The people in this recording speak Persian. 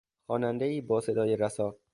خوانندهای با صدای رسا